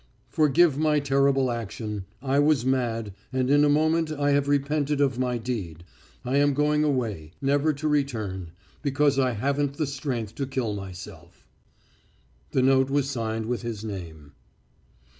"Forgive my terrible action. I was mad, and in a moment I have repented of my deed. I am going away, never to return, because I haven't strength to kill myself." The note was signed with his name.